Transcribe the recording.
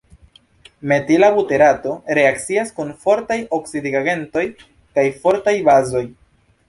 Mentila buterato reakcias kun fortaj oksidigagentoj kaj fortaj bazoj.